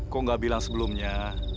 kok gak bilang sebelumnya